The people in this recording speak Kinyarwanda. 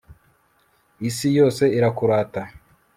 isi yose irakurata